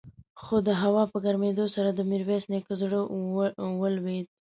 خو د هوا په ګرمېدو سره د ميرويس نيکه زړه ولوېد.